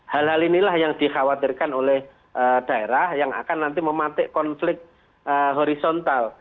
hal hal inilah yang dikhawatirkan oleh daerah yang akan nanti mematik konflik horizontal